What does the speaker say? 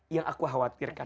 yang aku khawatirkan